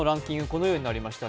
このようになりました。